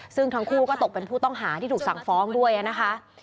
ซึ่งทั้งคู่ก็ตกเป็นผู้ต้องหาที่ถูกสั่งฟ้องด้วยนะคะ